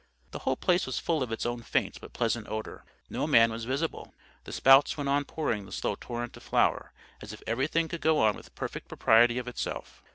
The whole place was full of its own faint but pleasant odour. No man was visible. The spouts went on pouring the slow torrent of flour, as if everything could go on with perfect propriety of itself.